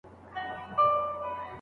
چي له چا سره قدرت وي زور اوشته وي